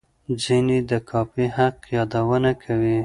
ځینې د کاپي حق یادونه کوي.